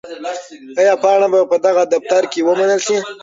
آیا پاڼه به په دغه دفتر کې ومنل شي؟